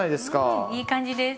うんいい感じです。